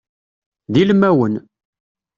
D ilmawen.